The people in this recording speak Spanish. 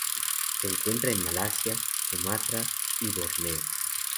Se encuentra en Malasia, Sumatra y Borneo.